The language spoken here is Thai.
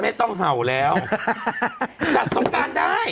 ไม่ต้องเห่าแล้วจัดสงการได้